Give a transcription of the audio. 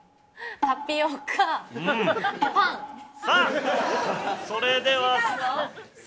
さあそれでは。